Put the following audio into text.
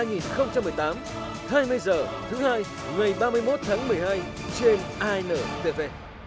hai mươi h thứ hai ngày ba mươi một tháng một mươi hai trên intv